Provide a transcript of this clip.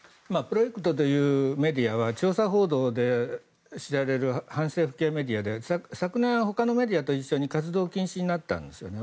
プロエクトというメディアは、調査報道で知られる反政府系メディアで昨年、ほかのメディアと一緒に活動禁止になったんです。